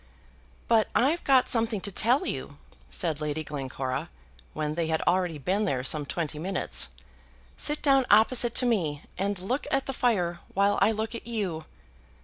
"But I've got something to tell you," said Lady Glencora, when they had already been there some twenty minutes. "Sit down opposite to me, and look at the fire while I look at you."